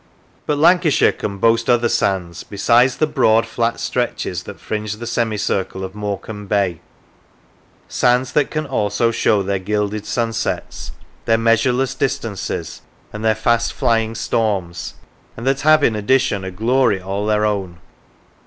But Lancashire can boast other sands, besides the broad flat stretches that fringe the semicircle of More cambe Bay; sands that can also show their gilded sunsets, their measureless distances, and their fast flying storms; and that have, in addition, a glory all their own.